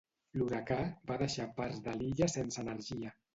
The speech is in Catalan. L'huracà va deixar parts de l'illa sense energia.